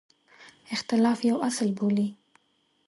اختلاف یو اصل بولي.